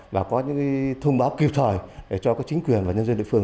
và có những thông báo kịp thời cho các chính quyền và nhân dân địa phương